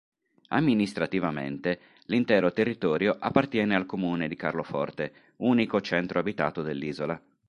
Amministrativamente l'intero territorio appartiene al comune di Carloforte, unico centro abitato dell'isola.